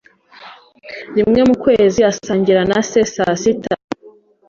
Rimwe mu kwezi, asangira na se saa sita.